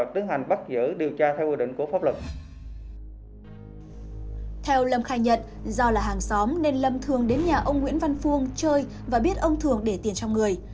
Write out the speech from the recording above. theo lâm khai nhận do là hàng xóm nên lâm thường đến nhà ông nguyễn văn phương chơi và biết ông thường để tiền trong người